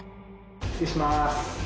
失礼します。